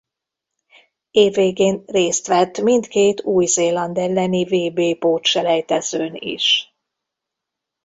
Év végén részt vett mindkét Új-Zéland elleni vb-pótselejtezőn is.